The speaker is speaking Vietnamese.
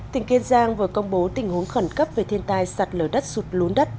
tỉnh kiên giang vừa công bố tình huống khẩn cấp về thiên tai sạt lở đất sụt lún đất